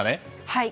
はい。